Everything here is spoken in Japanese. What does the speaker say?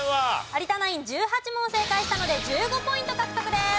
有田ナイン１８問正解したので１５ポイント獲得です。